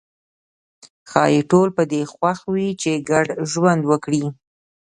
ښايي ټول په دې خوښ وي چې ګډ ژوند وکړي.